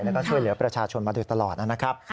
แล้วก็ช่วยเหลือประชาชนมาโดยตลอดนะครับ